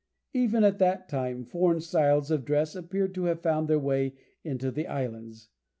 Even at that time foreign styles of dress appeared to have found their way into the islands.